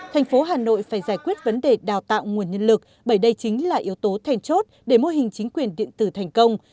thành phố hà nội phải giải quyết vấn đề đào tạo nguồn nhân lực bởi đây chính là yếu tố thèn chốt để mô hình chính quyền điện tử thành công